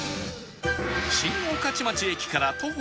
新御徒町駅から徒歩４分